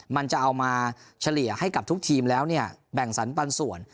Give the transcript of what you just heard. มันจะเอามาเฉลี่ยให้กับทุกทีมแล้วเนี่ยแบ่งสรรปันส่วน